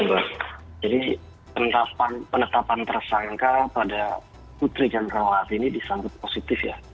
jadi penetapan tersangka pada putri candrawati ini disangka positif ya